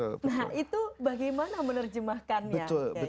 nah itu bagaimana menerjemahkannya